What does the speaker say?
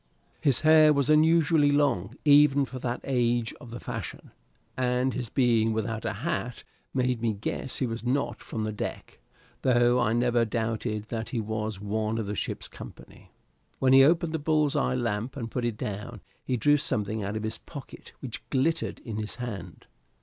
His hair was unusually long, even for that age of the fashion, and his being without a hat made me guess he was not from the deck, though I never doubted that he was one of the ship's company. When he opened the bull's eye lamp and put it down, he drew something out of his pocket which glittered in his hand.